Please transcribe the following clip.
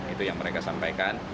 itu yang mereka sampaikan